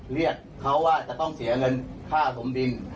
เรียกเขาว่าจะต้องเสียเงินค่าถมดิน